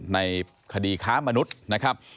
ในคดีค้ามนุษย์นะครับ